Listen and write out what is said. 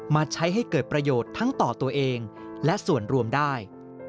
มาใช้ให้เกิดประโยชน์ทั้งต่อตัวเองและส่วนรวมได้